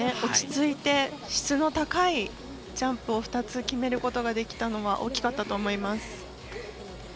落ち着いて、質の高いジャンプを２つ決めることができたのは大きかったと思います。